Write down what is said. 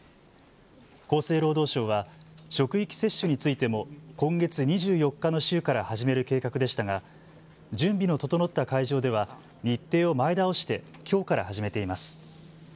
厚生労働省は職域接種についても今月２４日の週から始める計画でしたが準備の整った会場では日程を前倒してきょうから始めています。